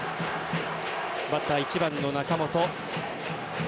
バッター１番の中本。